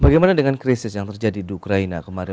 bagaimana dengan krisis yang terjadi di ukraina kemarin